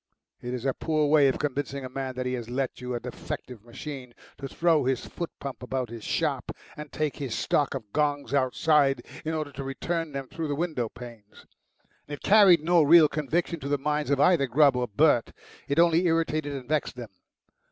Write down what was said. It is a poor way of convincing a man that he has let you a defective machine to throw his foot pump about his shop, and take his stock of gongs outside in order to return them through the window panes. It carried no real conviction to the minds of either Grubb or Bert; it only irritated and vexed them.